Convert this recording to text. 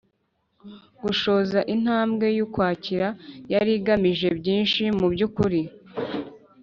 gushoza intambara y'ukwakira yari igamije byinshi mu by'ukuri